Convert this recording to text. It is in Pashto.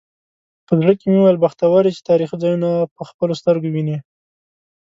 په زړه کې مې وویل بختور یې چې تاریخي ځایونه په خپلو سترګو وینې.